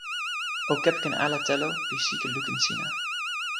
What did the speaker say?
o kepeken ala telo pi sike lukin sina.